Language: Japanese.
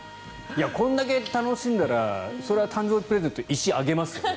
これだけ楽しんだらそれは誕生日プレゼントは石をあげますよね。